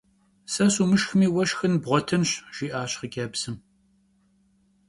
Se sumışşxmi vue şşxın bğuetınş! – jji'aş xhıcebzım.